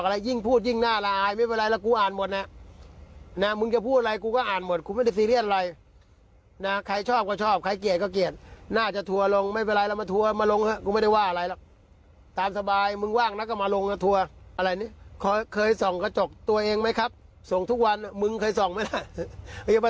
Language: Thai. แต่ภาพความเห็นของคุณอัจฉริยะล๊าดี้ก็พอ